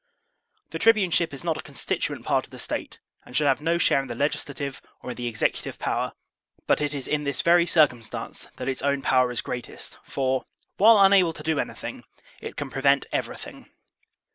The tribuneship is not a constituent part of the State, and should have no share in the legislative or in the executive power; but it is in this very circumstance that its own power is greatest; for, while unable to do anything, it can prevent everything.